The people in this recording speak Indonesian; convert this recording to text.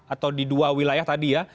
atau di dua wilayah tadi ya